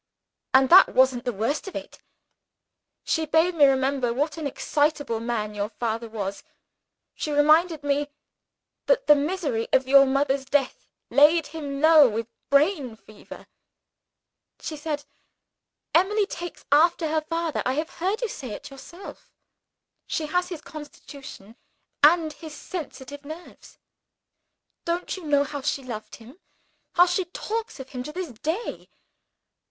And that wasn't the worst of it. She bade me remember what an excitable man your father was she reminded me that the misery of your mother's death laid him low with brain fever she said, 'Emily takes after her father; I have heard you say it yourself; she has his constitution, and his sensitive nerves. Don't you know how she loved him how she talks of him to this day?